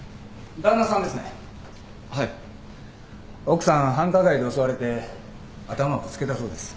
奥さん繁華街で襲われて頭をぶつけたそうです。